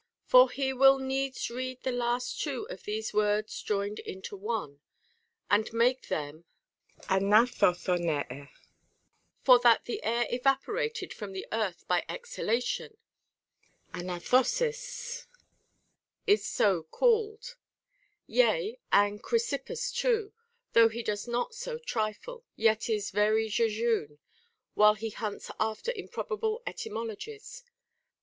* For he will needs read the last two of these words joined into one, and make them άναδωδωναϊε ; for that the air evaporated from the earth by exhalation (άνύδοσν;) is so called. Yea, and Chry sip pus too, though he does not so trifle, yet is very jejune, while he hunts after improbable etymologies.